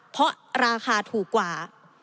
เพราะราคาถูกกว่า